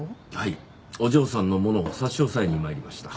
お嬢さんのものを差し押さえに参りました。